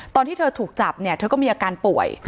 ตอนที่เธอถูกจับเนี่ยเธอก็มีอาการป่วย